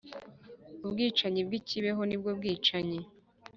ubwicanyi bw’i kibeho nibwo bwicanyi.